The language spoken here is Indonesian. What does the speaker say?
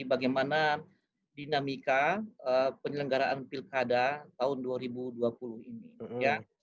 bagaimana dinamika penyelenggaraan pilkada tahun dua ribu dua puluh ini ya